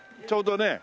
ちょうどね。